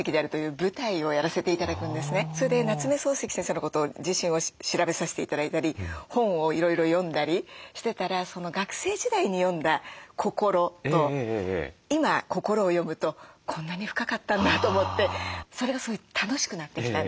それで夏目漱石先生のことを調べさせて頂いたり本をいろいろ読んだりしてたら学生時代に読んだ「こころ」と今「こころ」を読むとこんなに深かったんだと思ってそれがすごい楽しくなってきたんです。